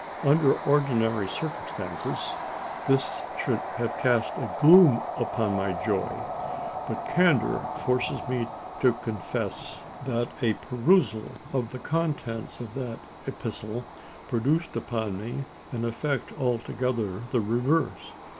Under ordinary circumstances, this should have cast a gloom upon my joy; but candour forces me to confess that a perusal of the contents of that epistle produced upon me an effect altogether the reverse.